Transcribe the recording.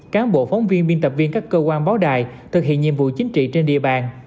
cán bộ phóng viên biên tập viên các cơ quan báo đài thực hiện nhiệm vụ chính trị trên địa bàn